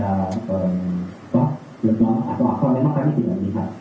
atau apa apa memang kami tidak melihat